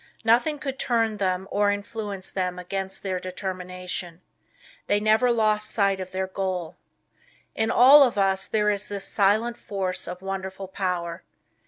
Nothing could turn them or influence them against their determination. They never lost sight of their goal. In all of us there is this silent force of wonderful power.